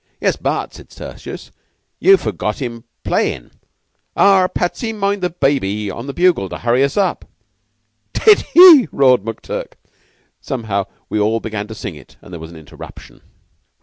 "Yes, but," said Tertius, "you've forgot him playin' 'Arrah, Patsy, mind the baby' on the bugle to hurry us up." "Did he?" roared McTurk. Somehow we all began to sing it, and there was an interruption.